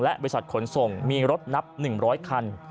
บริษัทขนส่งมีรถนับ๑๐๐คัน